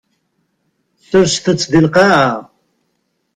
Serset-t deg lqaɛa.